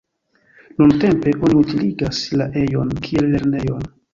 Nuntempe oni utiligas la ejon kiel lernejon.